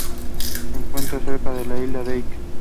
Se encuentra cerca de la isla Dyke.